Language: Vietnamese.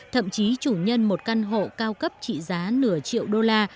thậm chí chủ nhân một căn hộ cao cấp trị giá nửa triệu đô la